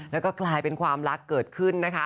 แล้วก็กลายเป็นความรักเกิดขึ้นนะคะ